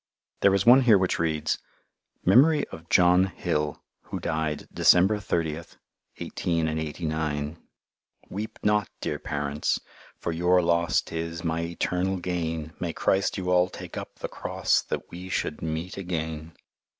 There is one here which reads: Memory of John Hill who Died December 30th. 1889 Weep not, dear Parents, For your loss 'tis My etarnal gain May Christ you all take up the Cross that we Should meat again.